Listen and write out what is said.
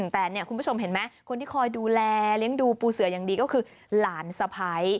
แต่เนี่ยคุณผู้ชมเห็นไหมคนที่คอยดูแลเลี้ยงดูปูเสืออย่างดีก็คือหลานสะพ้าย